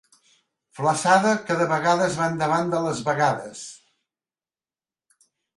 Flassada que de vegades van davant de les vegades.